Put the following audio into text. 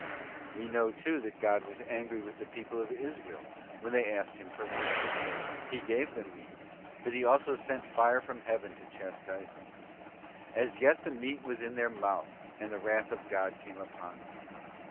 '?* We know, too, that God was angry with the people of Israel when they asked Him for meat. He gave them meat, but He also sent fire from heaven to chastise them: 'As yet the meat was in their mouth, and the wrath of God came upon them.